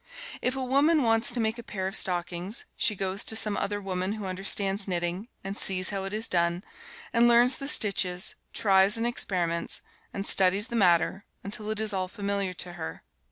If a woman wants to make a pair of stockings, she goes to some other woman who understands knitting, and sees how it is done, and learns the stitches, tries and experiments, and studies the matter, until it is all familiar to her.